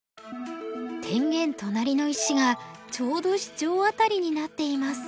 天元となりの石がちょうどシチョウアタリになっています。